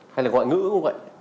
hay là ngoại ngữ cũng vậy